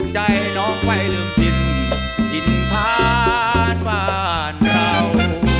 ใจน้องไปลืมสิ้นสิ้นทานบ้านเรา